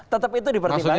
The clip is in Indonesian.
tetap itu dipertimbangkan